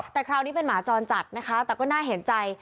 แต่คราวนี้เป็นหมาจรจัดนะคะแต่ก็น่าเห็นใจ